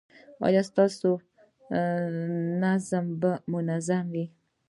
ایا ستاسو نبض به منظم وي؟